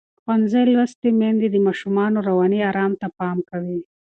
ښوونځې لوستې میندې د ماشومانو رواني آرام ته پام کوي.